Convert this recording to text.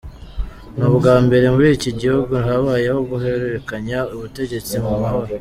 Ni ubwa mbere muri iki gihugu habayeho guhererekanya ubutegetsi mu mahoro.